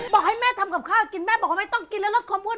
บอกให้แม่ทำกับข้าวกินต้องกินรถความอ้วน